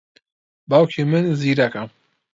باوکی من زیرەکە.